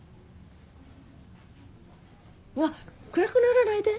あっ暗くならないで。